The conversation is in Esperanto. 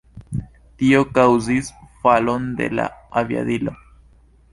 Tio kaŭzis falon de la aviadilo.